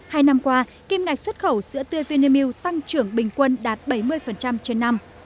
hai năm qua kim ngạch xuất khẩu sữa tươi vinamilk tăng trưởng bình quân đạt bảy mươi trên năm